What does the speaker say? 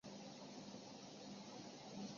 大叶党参是桔梗科党参属的植物。